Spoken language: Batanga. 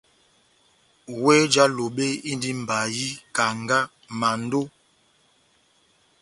Wéh já Lobe indi mbayi, kanga, mando,